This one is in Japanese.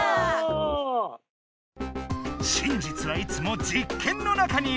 真実はいつも実験の中にある！